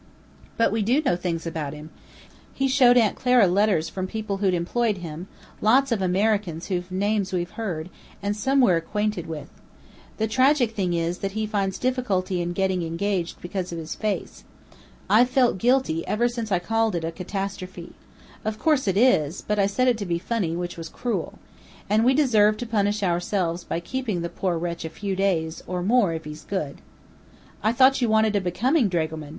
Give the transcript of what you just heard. "But we do know things about him. He showed Aunt Clara letters from people who'd employed him, lots of Americans whose names we've heard, and some we're acquainted with. The tragic thing is, that he finds difficulty in getting engaged because of his face. I've felt guilty ever since I called it a catastrophe. Of course it is; but I said it to be funny, which was cruel. And we deserve to punish ourselves by keeping the poor wretch a few days, or more, if he's good." "I thought you wanted a becoming dragoman?"